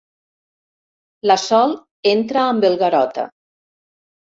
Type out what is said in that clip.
La Sol entra amb el Garota.